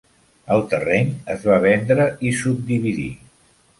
El terreny es va vendre i subdividir.